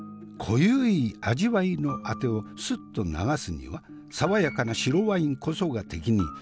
濃ゆい味わいのあてをスッと流すには爽やかな白ワインこそが適任。